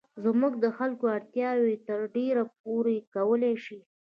زموږ د خلکو اړتیاوې تر ډېره پوره کولای شي.